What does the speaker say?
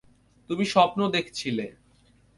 তুমি সপ্ন দেখছিলে।